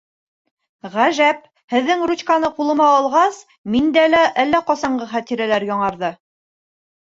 Ғәжәп: һеҙҙең ручканы ҡулыма алғас, миндә лә әллә ҡасаңғы хәтирәләр яңырҙы.